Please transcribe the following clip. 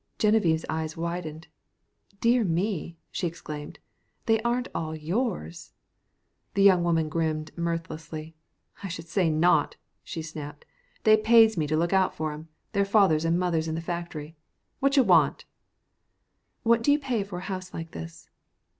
Genevieve's eyes widened. "Dear me," she exclaimed, "they aren't all yours!" The young woman grinned mirthlessly. "I should say not!" she snapped. "They pays me to look out for 'em their fathers and mothers in the factory. Watcha want?" "What do you pay for a house like this?"